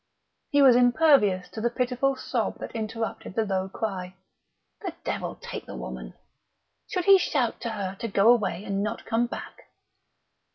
He was impervious to the pitiful sob that interrupted the low cry. The devil take the woman! Should he shout to her to go away and not come back?